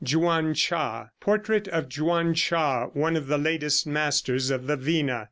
JIWAN CHAH. (Portrait of Jiwan Chah, one of the latest masters of the vina.